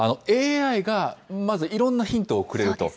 ＡＩがまずいろんなヒントをくれると。